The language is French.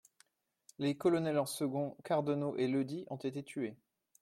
Les colonels en second Cardenau et Leudy ont été tués.